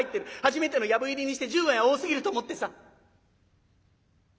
初めての藪入りにして１５円は多すぎると思ってさ」。